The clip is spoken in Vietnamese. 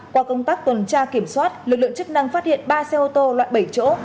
qua công tác tuần tra kiểm soát lực lượng chức năng phát hiện ba xe ô tô loại bảy chỗ